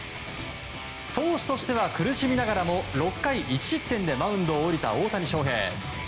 投手としては苦しみながらも６回１失点でマウンドを降りた大谷翔平。